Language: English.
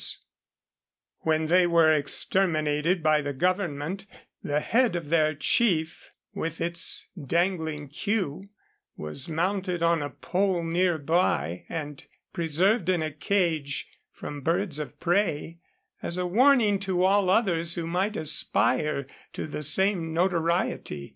144 Across Asia on a Bicycle When they were exterminated by the government, the head of their chief, with its dangling queue, was mounted on a pole near by, and preserved in a cage from birds of prey, as a warning to all others who might aspire to the same notoriety.